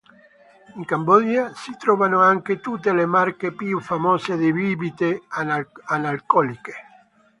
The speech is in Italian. In Cambogia si trovano anche tutte le marche più famose di bibite analcoliche.